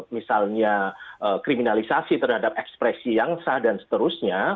misalnya kriminalisasi terhadap ekspresi yang sah dan seterusnya